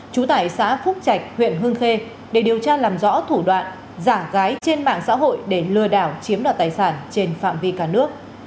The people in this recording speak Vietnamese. trú tại xã phúc trạch huyện hương khê để điều tra làm rõ thủ đoạn giả gái trên mạng xã hội để lừa đảo chiếm đoạt tài sản trên phạm vi cả nước